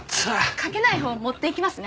書けないほう持っていきますね。